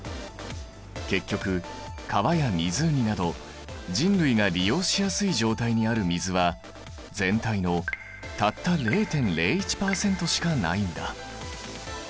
結局川や湖など人類が利用しやすい状態にある水は全体のたった０．０１％しかないんだ。